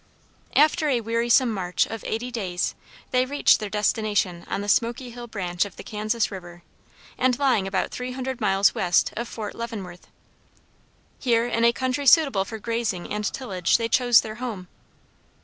After a wearisome march of eighty days, they reached their destination on the Smoky Hill Branch of the Kansas River, and lying about three hundred miles west of Fort Leavenworth. Here, in a country suitable for grazing and tillage, they chose their home.